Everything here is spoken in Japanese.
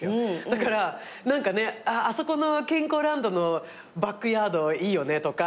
だから何かねあそこの健康ランドのバックヤードいいよねとか。